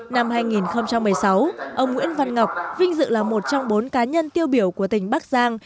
năm hai nghìn một mươi sáu ông nguyễn văn ngọc vinh dự là một trong bốn cá nhân tiêu biểu của tỉnh bắc giang